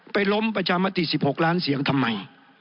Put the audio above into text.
ไปล้มประชามนาฬิสิบหกล้านเสียงทำไม